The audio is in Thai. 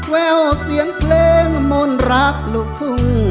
แววเสียงเพลงมนต์รักลูกทุ่ง